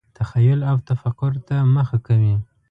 تخیل او تفکر ته مخه کوي.